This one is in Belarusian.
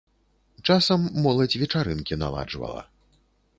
Часам моладзь вечарынкі наладжвала.